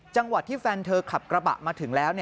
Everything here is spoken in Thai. จังหวัดที่แฟนเธอขับกระบะมาถึงแล้ว